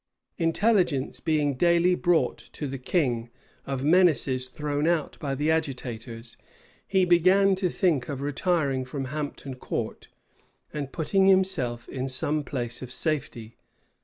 [*] Intelligence being daily brought to the king of menaces thrown out by the agitators, he began to think of retiring from Hampton Court, and of putting himself in some place of safety.